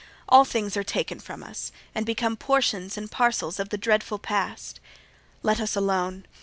All things are taken from us, and become Portions and parcels of the dreadful Past. Let us alone.